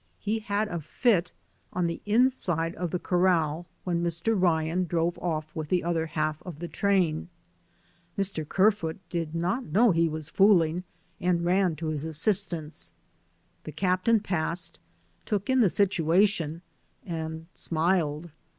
He had a fit on the inside of the corral when Mr. Ryan drove off with the other half of the train. Mr. Kerfoot did not know he was fooling, and ran to his assistance; the cap tain passed, took in the situation and smiled.